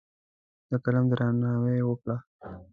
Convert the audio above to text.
د قلم درناوی وکړه.